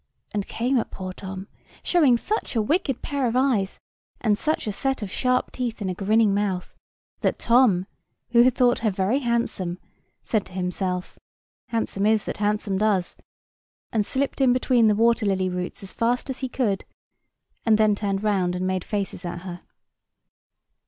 and came at poor Tom, showing such a wicked pair of eyes, and such a set of sharp teeth in a grinning mouth, that Tom, who had thought her very handsome, said to himself, Handsome is that handsome does, and slipped in between the water lily roots as fast as he could, and then turned round and made faces at her.